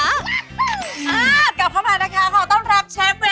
อ้าวกลับเข้ามานะคะขอต้อนรับเชฟเวฟค่ะ